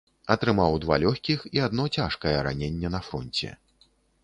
Атрымаў два лёгкіх і адно цяжкае раненне на фронце.